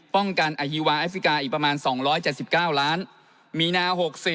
ป้องกันอฮีวาแอฟริกาอีกประมาณ๒๗๙ล้านมีนา๖๔